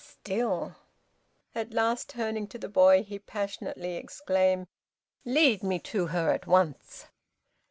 "Still!" At last, turning to the boy, he passionately exclaimed, "Lead me to her at once!"